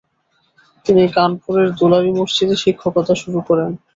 তিনি কানপুরের দুলারি মসজিদে শিক্ষকতা শুরু করেন।